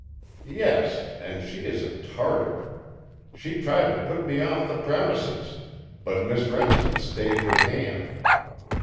"Yes, and she is a Tartar. She tried to put me off the premises, but Miss Remsen stayed her hand.